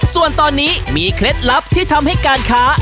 ส่วนตอนนี้มีเคล็ดลับที่ทำให้การค้า